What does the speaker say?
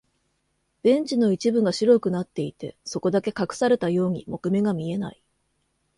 ベンチの一部が白くなっていて、そこだけ隠されたように木目が見えない。